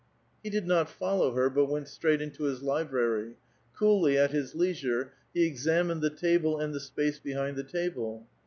He did not follow her, but went straight into his library ; coolly, at his leisure, he examined the table and the space behind the table.